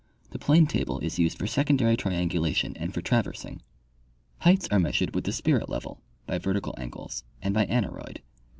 The planetable is used for secondary triangulation and for traversing. Heights are measured with the spirit level, by vertical angles, and by aneroid.